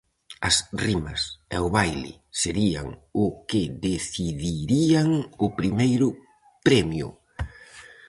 As rimas e o baile serían o que decidirían o primeiro premio.